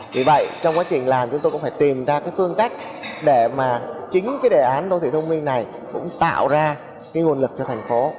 vì vậy trong quá trình làm chúng tôi cũng phải tìm ra cái phương cách để mà chính cái đề án đô thị thông minh này cũng tạo ra cái nguồn lực cho thành phố